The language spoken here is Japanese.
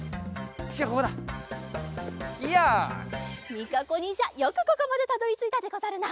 みかこにんじゃよくここまでたどりついたでござるな！